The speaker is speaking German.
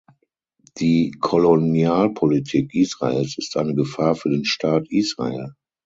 Die Kolonialpolitik Israels ist eine Gefahr für den Staat Israel.